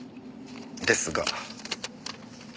ですが。